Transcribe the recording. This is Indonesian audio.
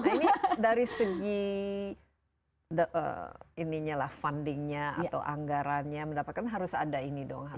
nah ini dari segi ini nyala fundingnya atau anggarannya mendapatkan harus ada ini dong harus ada